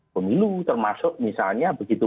pemilu termasuk misalnya begitu